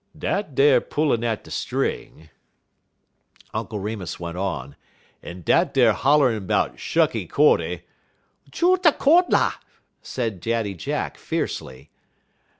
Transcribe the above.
"Dat ar pullin' at de string," Uncle Remus went on, "en dat ar hollerin' 'bout shucky cordy" "Jutta cord la!" said Daddy Jack, fiercely.